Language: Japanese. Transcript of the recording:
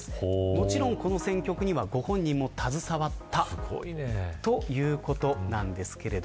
もちろんこの選曲にはご自身も携わったということです。